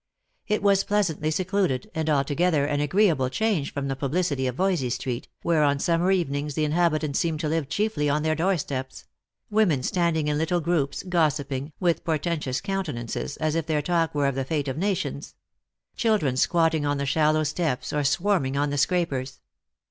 It was pleasantly secluded, and altogether an agreeable change from the publicity of Yoysey street, where on summer evenings the inhabitants seemed to live chiefly on their doorsteps ; women standing in little groups, gossiping, with portentous countenances, as if their talk were of the fate of nations ; children squatting on the shallow steps, or swarm ing on the scrapers.